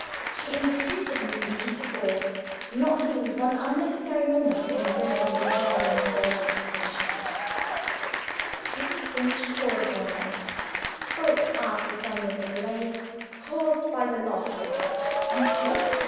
She entreated Mr. Nugent Dubourg not to lose one unnecessary moment in bringing the German surgeon to Dimchurch. Mrs. Finch, called upon next. Spoke after some little delay, caused by the loss of her pocket handkerchief.